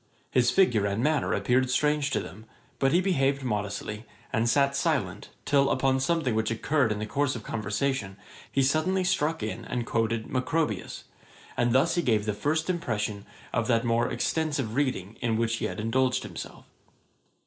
His figure and manner appeared strange to them; but he behaved modestly, and sat silent, till upon something which occurred in the course of conversation, he suddenly struck in and quoted Macrobius; and thus he gave the first impression of that more extensive reading in which he had indulged himself.